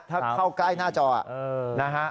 ถ้าเข้าใกล้หน้าจอนะฮะ